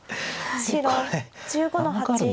白１５の八トビ。